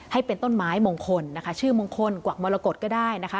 ให้เป็นต้นไม้มงคลชื่อมงคลกวักมรกฎก็ได้